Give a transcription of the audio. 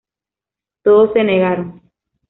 Todos se negaron.